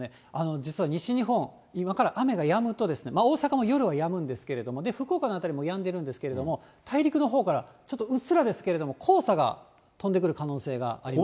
実は西日本、今から雨がやむと、大阪も夜はやむんですけれども、福岡の辺りもやんでいるんですけれども、大陸のほうから、ちょっとうっすらですけれども、黄砂が飛んでくる可能性があります。